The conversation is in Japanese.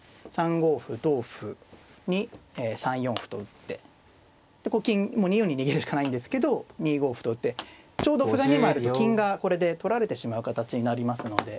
３五歩同歩に３四歩と打ってでこう金もう２四に逃げるしかないんですけど２五歩と打ってちょうど歩が２枚あると金がこれで取られてしまう形になりますので。